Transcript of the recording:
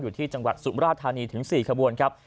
อยู่ที่จังหวัดสุมราชธานีถึง๔ขบวนครับ